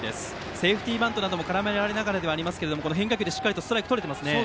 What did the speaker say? セーフティーバントなども絡めながらではありますが変化球でしっかりストライクをとれていますね。